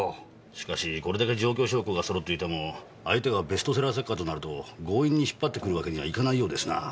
しかしこれだけ状況証拠が揃っていても相手がベストセラー作家となると強引に引っ張ってくるわけにはいかないようですな。